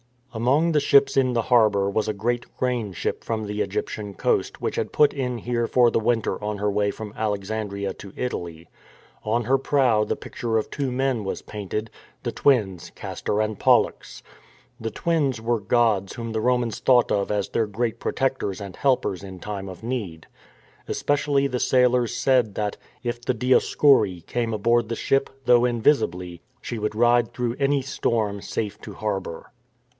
Among the ships in the harbour was a great grain ship from the Egyptian coast, which had put in here for the winter on her way from Alexandria to Italy. On her prow the picture of two men was painted — the twins. Castor and Pollux. The twins were gods whom the Romans thought of as their great protectors and helpers in the time of need. Especially the sailors said that, if the Dioscuri came aboard the ship, though invisibly, she would ride through any storm safe to harbour.